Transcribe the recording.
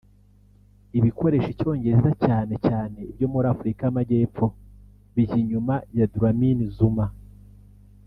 ibikoresha Icyongereza cyane cyane ibyo muri Afurika y’Amajyepfo bijya inyuma ya Dlamini-Zuma